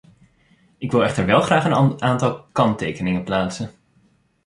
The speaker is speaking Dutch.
Ik wil echter wel graag een aantal kanttekeningen plaatsen.